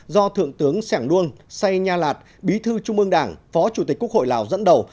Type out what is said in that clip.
do thượng tướng sẻng luông say nha lạt bí thư trung ương đảng phó chủ tịch quốc hội lào dẫn đầu